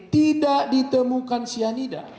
tidak ditemukan cyanida